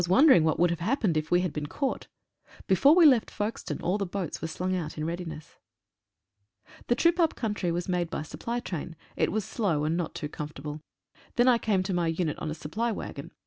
wondering what would have happened if we had been caught. Before we left Folkestone all the boats were slung out in readiness. The trip up country was made by supply train ; it was slow, and not too comfortable. Then I came to my unit on a supply waggon.